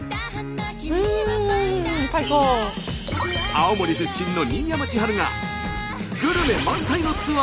青森出身の新山千春がグルメ満載のツアーを作る。